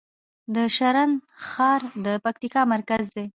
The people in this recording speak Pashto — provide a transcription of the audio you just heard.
د شرن ښار د پکتیکا مرکز دی